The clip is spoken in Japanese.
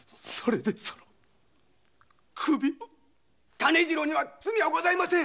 種次郎に罪はございません！